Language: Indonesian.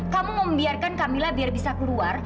kamu mau membiarkan camilla biar bisa keluar